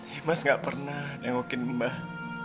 dimas gak pernah dengokin mbak